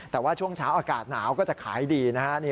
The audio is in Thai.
แต่ว่าช่วงเช้าอากาศหนาวก็จะขายดีนะฮะ